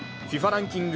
ランキング